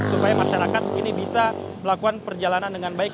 supaya masyarakat ini bisa melakukan perjalanan dengan baik